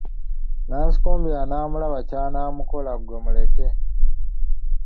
Nansikombi anaamulaba ky'anamukola gwe muleke.